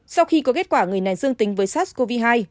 sau khi có kết quả người này dương tính với sars cov hai